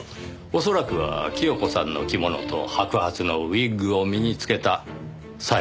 恐らくは清子さんの着物と白髪のウィッグを身に着けた小枝さん。